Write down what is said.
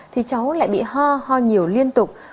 thì cháu lại bị ho ho nhiều liên tục